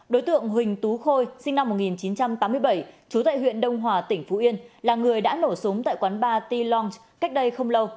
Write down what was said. đối tượng huỳnh tú khôi sinh năm một nghìn chín trăm tám mươi bảy trú tại huyện đông hòa tỉnh phú yên là người đã nổ súng tại quán ba tilongch cách đây không lâu